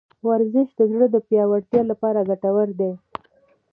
ورزش د زړه د پیاوړتیا لپاره ګټور دی.